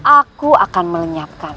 aku akan melenyapkanmu